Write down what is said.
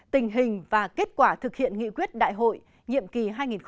tình hình và kết quả thực hiện nghị quyết đại hội nhiệm kỳ hai nghìn một mươi năm hai nghìn hai mươi